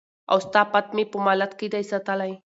او ستا پت مي په مالت کي دی ساتلی